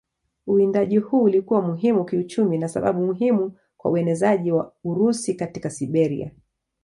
Uwindaji huu ulikuwa muhimu kiuchumi na sababu muhimu kwa uenezaji wa Urusi katika Siberia.